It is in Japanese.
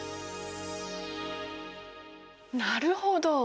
なるほど。